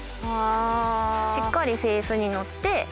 しっかりフェースに乗って。